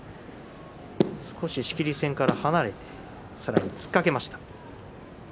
少し仕切り線から離れてさらに突っかけました。